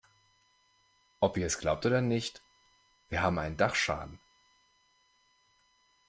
Ob ihr es glaubt oder nicht, wir haben einen Dachschaden.